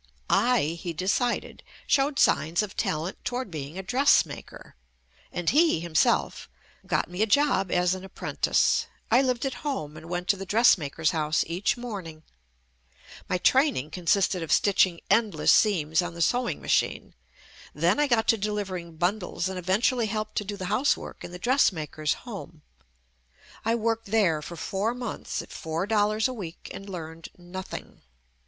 I, he decided, showed signs of talent toward being a dressmaker, and he, him self, got me a job as an apprentice. I lived at home and went to the dressmaker's house each morning. My training consisted of stitch ing endless seams on the sewing machine. Then I got to delivering bundles and event ually helped to do the housework in the dress maker's home. I worked there for four months at four dollars a week and learned nothing.